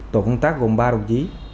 tổ công tác gồm ba đồng chí